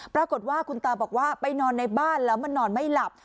ปรากฏว่าคุณตาบอกว่าไปนอนในบ้านแล้วมันนอนไม่หลับ